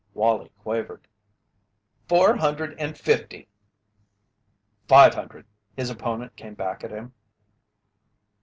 Wallie quavered: "Four hundred and fifty!" "Five hundred!" his opponent came back at him.